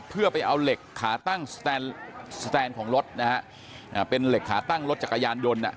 เพื่อไปเอาเหล็กขาตั้งสแตนของรถนะฮะเป็นเหล็กขาตั้งรถจักรยานยนต์อ่ะ